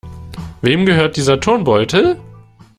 Wem gehört dieser Turnbeutel?